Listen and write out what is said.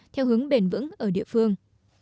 theo hướng bền vững ở địa phương